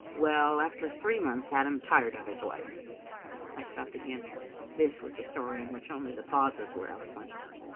Well, after three months Adam tired of his wife." I stopped again. This was a story in which only the pauses were eloquent.